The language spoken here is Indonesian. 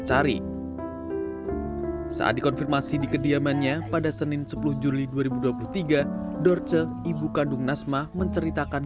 cari saat dikonfirmasi di kediamannya pada senin sepuluh juli dua ribu dua puluh tiga dorce ibu kandung nasma menceritakan